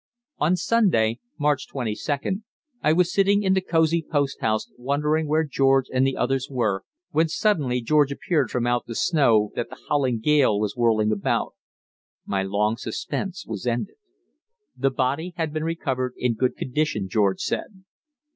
On Sunday, March 27th, I was sitting in the cosey post house wondering where George and the others were, when suddenly George appeared from out the snow that the howling gale was whirling about. My long suspense was ended. The body had been recovered in good condition, George said.